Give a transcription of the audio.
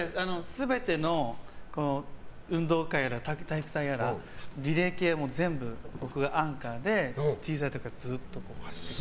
全ての運動会やら体育祭やらリレー系は全部僕がアンカーで小さい時からずっと。